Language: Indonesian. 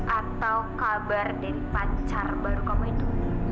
atau kabar dari pacar baru kamu itu